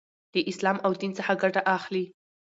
لـه اسـلام او ديـن څـخه ګـټه اخـلي .